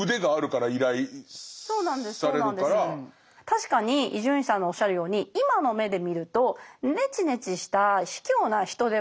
確かに伊集院さんのおっしゃるように今の目で見るとネチネチした卑怯な人では決してないんですよ。